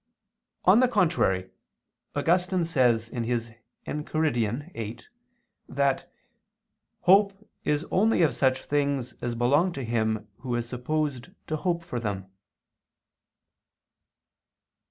On the contrary, Augustine says (Enchiridion viii) that "hope is only of such things as belong to him who is supposed to hope for them."